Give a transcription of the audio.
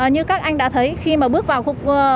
như các anh đã thấy khi mà bước vào khu công nghiệp